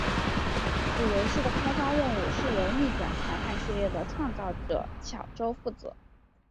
此游戏的开发任务是由逆转裁判系列的创造者巧舟负责。